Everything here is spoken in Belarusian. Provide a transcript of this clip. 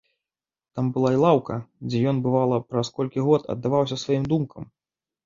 Там была і лаўка, дзе ён, бывала, праз колькі год, аддаваўся сваім думкам.